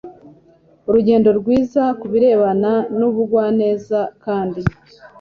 urugero rwiza ku birebana n ibugwaneza kandi